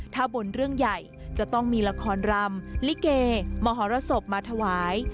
ถ้าบนเรื่องใหญ่จะต้องมีละครรำลิเกมหรสบมาถวาย